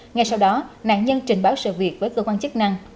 ngay sau đó nạn nhân trình báo sự việc với cơ quan chức năng